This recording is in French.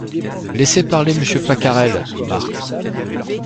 Laissez parler Monsieur Pacarel, Marthe .